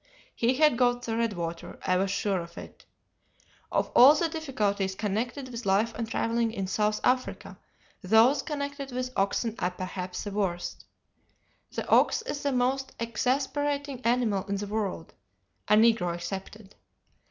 He had got the redwater, I was sure of it. Of all the difficulties connected with life and travelling in South Africa those connected with oxen are perhaps the worst. The ox is the most exasperating animal in the world, a negro excepted.